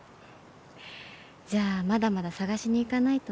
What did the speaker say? じゃあまだまだ探しに行かないとね。